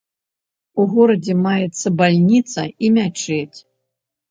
У горадзе маецца бальніца і мячэць.